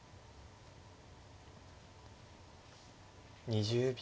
２０秒。